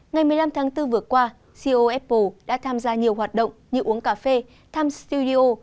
ngày một mươi năm tháng bốn vừa qua co apple đã tham gia nhiều hoạt động như uống cà phê thăm studio